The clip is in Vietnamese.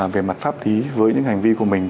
về mặt pháp lý với những hành vi của mình